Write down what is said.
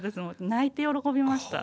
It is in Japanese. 泣いて喜びました。